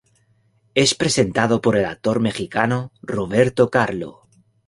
Es presentado por el actor mexicano Roberto Carlo.